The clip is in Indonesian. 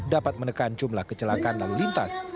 dapat menekan jumlah kecelakaan lalu lintas